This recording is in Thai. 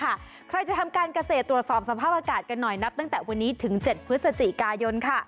ใครจะทำการเกษตรตรวจสอบสภาพอากาศกันหน่อยนับตั้งแต่วันนี้ถึง๗พฤศจิกายน